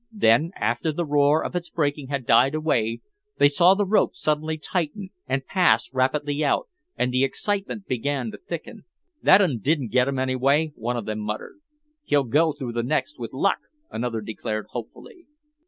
Then, after the roar of its breaking had died away, they saw the rope suddenly tighten, and pass rapidly out, and the excitement began to thicken. "That 'un didn't get him, anyway," one of them muttered. "He'll go through the next, with luck," another declared hopefully.